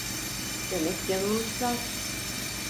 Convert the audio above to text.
Demek yanılmışlar…